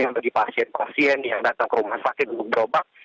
karena bagi pasien pasien yang datang ke rumah sakit untuk berobat